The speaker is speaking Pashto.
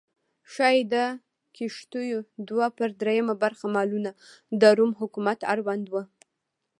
ښايي د کښتیو دوه پر درېیمه برخه مالونه د روم حکومت اړوند و